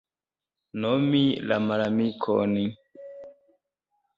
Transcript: Nomi la malamikon.